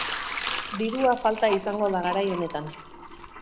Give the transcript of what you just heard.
Dirua falta izango da garai honetan.